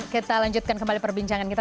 kita lanjutkan kembali perbincangan kita